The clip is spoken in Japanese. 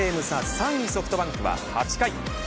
３位、ソフトバンクは８回。